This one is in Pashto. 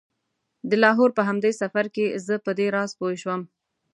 د لاهور په همدې سفر کې زه په دې راز پوی شوم.